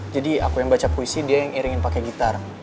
jadi aku yang baca puisi dia yang iringin pake gitar